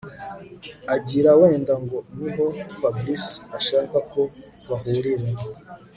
agira wenda ngo niho Fabric ashaka ko bahurira